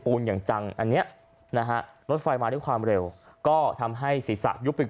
อย่างจังอันเนี้ยนะฮะรถไฟมาด้วยความเร็วก็ทำให้ศีรษะยุบไป